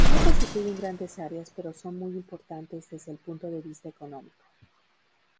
No constituyen grandes áreas, pero son muy importantes desde el punto de vista económico.